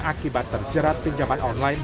akibat terjerat di tempat yang tersebut